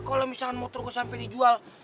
kalo misalnya motor gue sampe dijual